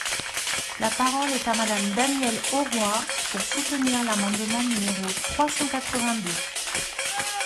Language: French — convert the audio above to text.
La parole est à Madame Danielle Auroi, pour soutenir l’amendement numéro trois cent quatre-vingt-deux.